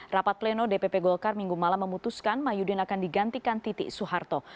rapat pleno dpp golkar minggu malam memutuskan mahyudin akan digantikan titik soeharto